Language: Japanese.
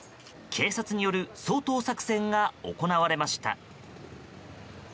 警察による掃討作戦が行われました。